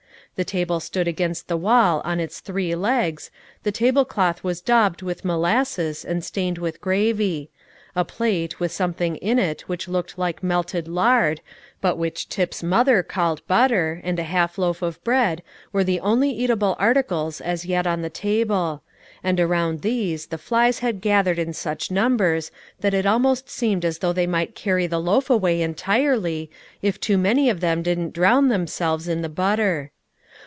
The table stood against the wall on its three legs, the tablecloth was daubed with molasses and stained with gravy; a plate, with something in it which looked like melted lard, but which Tip's mother called butter, and a half loaf of bread, were the only eatable articles as yet on the table; and around these the flies had gathered in such numbers, that it almost seemed as though they might carry the loaf away entirely, if too many of them didn't drown themselves in the butter.